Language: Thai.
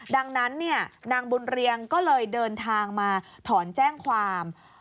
ดังนั้นนางบุญเรียงก็เลยเดินทางมาถอนแจ้งความ